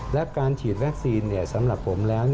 และการฉีดวัคซีนสำหรับผมแล้ว